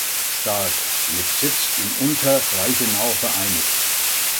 Starck" mit Sitz in Unter Reichenau vereinigt.